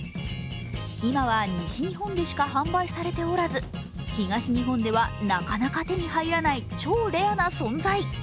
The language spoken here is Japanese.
今は西日本でしか販売しておらず東日本ではなかなか手に入らない超レアな存在。